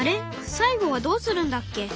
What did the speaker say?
最後はどうするんだっけ？